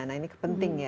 nah ini kepenting ya